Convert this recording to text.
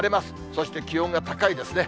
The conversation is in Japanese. そして気温が高いですね。